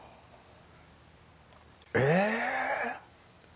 え？